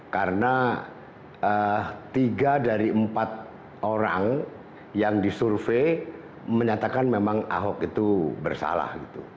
karena tiga dari empat orang yang disurvei menyatakan memang ahok itu bersalah